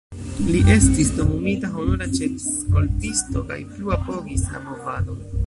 Li estis nomumita honora ĉef-skoltisto kaj plu apogis la movadon.